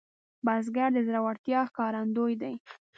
بزګر د زړورتیا ښکارندوی دی